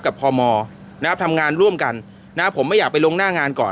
พมนะครับทำงานร่วมกันนะผมไม่อยากไปลงหน้างานก่อน